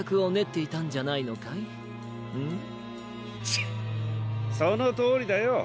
ちっそのとおりだよ。